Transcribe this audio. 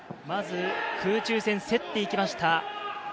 まず空中戦、競って来ました。